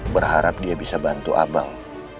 berharap dia bisa bantu abang